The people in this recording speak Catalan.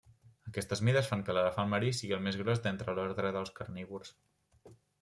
Aquestes mides fan que l'elefant marí sigui el més gros d'entre l'ordre dels carnívors.